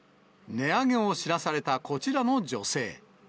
値上げを知らされたこちらの女性。